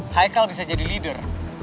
haikal bisa jadi pemimpin